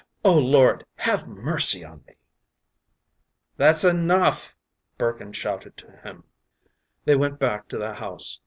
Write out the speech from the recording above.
“Oh, Lord, have mercy on me!...” “That’s enough!” Burkin shouted to him. They went back to the house.